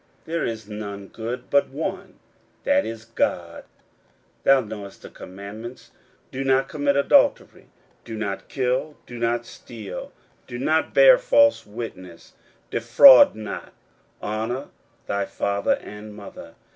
there is none good but one, that is, God. 41:010:019 Thou knowest the commandments, Do not commit adultery, Do not kill, Do not steal, Do not bear false witness, Defraud not, Honour thy father and mother.